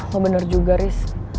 lo bener juga ris